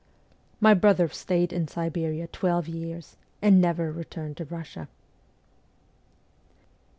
My brother stayed in Siberia twelve years, and never returned to Kussia.